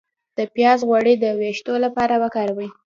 د پیاز غوړي د ویښتو لپاره وکاروئ